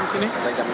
sampai jam enam